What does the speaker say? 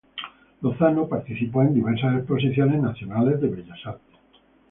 Lozano participó en diversas Exposiciones Nacionales de Bellas Artes.